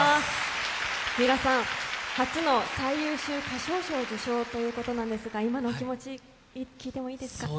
初の最優秀歌唱賞受賞ということですが今のお気持ち、聴いてもいいですか？